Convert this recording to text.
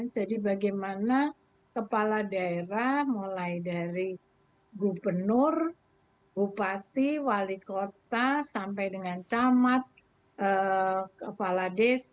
jadi bagaimana kepala daerah mulai dari gubernur bupati wali kota sampai dengan camat kepala desa